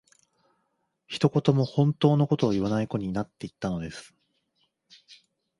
一言も本当の事を言わない子になっていたのです